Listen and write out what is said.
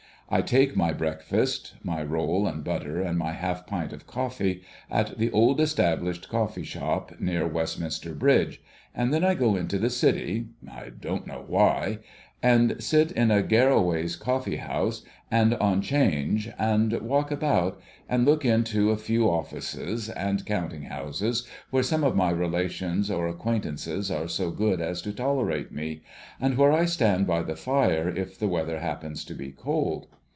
I take my breakfast — my roll and butter, and my half pint of coflee •— at the old established coffee shop near Westminster Bridge ; and then I go into the City — I don't know why — and sit in Garraway's Coffee House, and on 'Change, and walk about, and look into a few offices and counting houses where some of my relations or act^uaint ance are so good as to tolerate me, and where I stand by the fire if the weather happens to be cold.